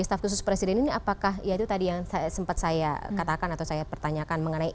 staf khusus presiden ini apakah ya itu tadi yang sempat saya katakan atau saya pertanyakan mengenai